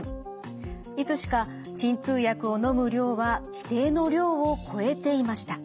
いつしか鎮痛薬をのむ量は規定の量を超えていました。